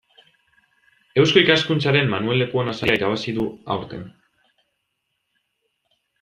Eusko Ikaskuntzaren Manuel Lekuona saria irabazi du aurten.